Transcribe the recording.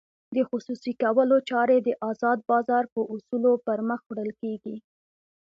د خصوصي کولو چارې د ازاد بازار په اصولو پرمخ وړل کېږي.